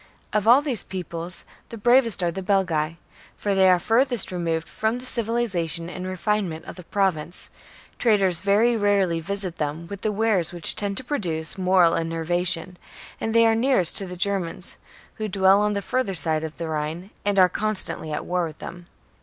Of all these peoples the bravest are the Belgae ; for they are furthest removed from the civilization and refinement of the Pro vince, traders very rarely visit them with the wares which tend to produce moral enervation, and they are nearest to the Germans, who dwell on the further side of the Rhine, and are constantly at war with them.